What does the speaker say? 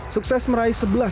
sukses meraih sebelas piala